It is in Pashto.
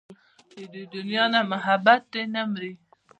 د دې دنيا نه محبت دې نه مري